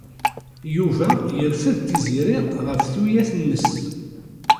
Yuba yerfed Tiziri ɣef tuyat-nnes.